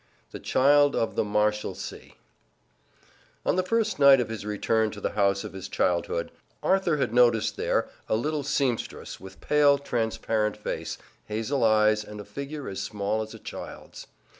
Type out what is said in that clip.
II THE CHILD OF THE MARSHALSEA On the first night of his return to the house of his childhood Arthur had noticed there a little seamstress, with pale, transparent face, hazel eyes and a figure as small as a child's.